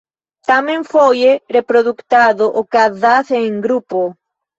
Tamen foje reproduktado okazas en grupo.